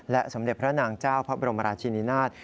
สมเด็จพระนางเจ้าพระบรมราชินินาศ